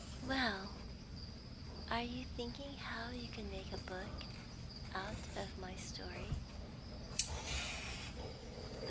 "Well, are you thinking how you can make a book out of my story?"